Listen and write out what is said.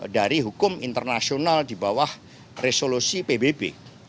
dari hukum internasional di bawah resolusi pbb